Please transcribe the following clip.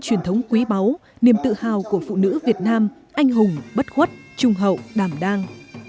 truyền thống quý báu niềm tự hào của phụ nữ việt nam anh hùng bất khuất trung hậu đàm đang